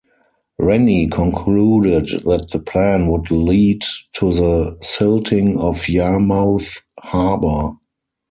Rennie concluded that the plan would lead to the silting of Yarmouth harbour.